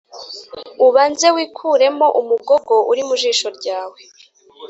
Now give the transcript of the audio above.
Ubanza wikuremo umugogo uri mu jisho ryawe.